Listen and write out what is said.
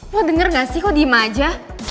lo denger gak sih kok diem aja